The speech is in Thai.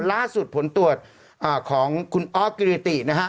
ล่าสุดผลตรวจของคุณออสกิริตินะครับ